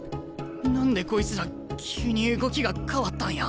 何でこいつら急に動きが変わったんや？